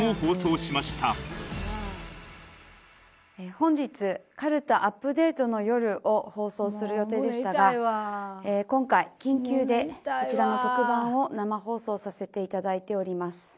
本日「かるたアップデートの夜」を放送する予定でしたが今回緊急でこちらの特番を生放送させていただいております。